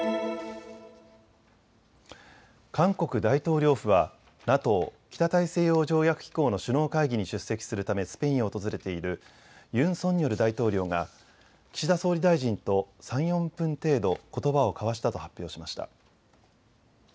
韓国大統領府はＮＡＴＯ・北大西洋条約機構の首脳会議に出席するためスペインを訪れているユン・ソンニョル大統領が岸田総理大臣と３、４分程度、ことばを交わしたと発表しました。